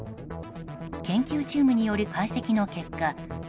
研究チームによる解析の結果